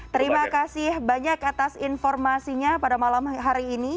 terima kasih banyak atas informasinya pada malam hari ini